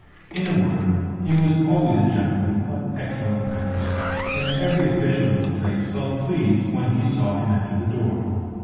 In a word, he was always a gentleman of excellent manners, and every official in the place felt pleased when he saw him enter the door.